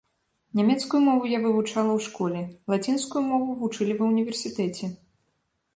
Нямецкую мову я вывучала ў школе, лацінскую мову вучылі ва ўніверсітэце.